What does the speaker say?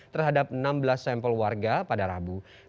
terhadap enam belas sampel warga pada rabu